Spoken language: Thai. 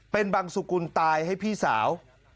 เป็นบังสุกุลตายให้พี่สาว